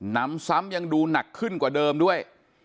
นำซ้ำยังดูหนักขึ้นกว่าเดิมด้วย